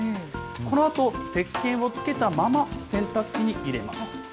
このあとせっけんを付けたまま、洗濯機に入れます。